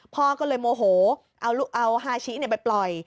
พ่อก็เลยโมโหเอาฮาชิไปปล่อย